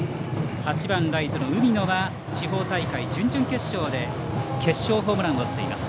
８番ライトの海野は地方大会、準々決勝で決勝ホームランを打っています。